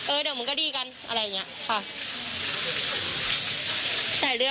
เออเดี๋ยวมึงก็ดีกันอะไรอย่างนี้